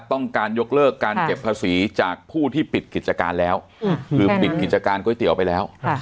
ต้องการยกเลิกการเก็บภาษีจากผู้ที่ปิดกิจการแล้วคือปิดกิจการก๋วยเตี๋ยวไปแล้ว